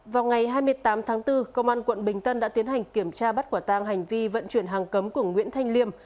vào ngày hai mươi tám tháng bốn công an quận bình tân đã tiến hành kiểm tra bắt quả tang hành vi vận chuyển hàng cấm của nguyễn thanh liêm